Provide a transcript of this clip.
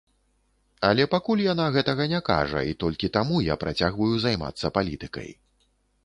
Але пакуль яна гэтага не кажа, і толькі таму я працягваю займацца палітыкай.